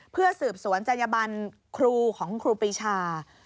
เพื่อสืบสวนแจ้งใยบรรณครูของครูปริชา